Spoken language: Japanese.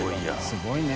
すごいね。